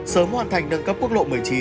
sớm hoàn thành nâng cấp quốc lộ một mươi chín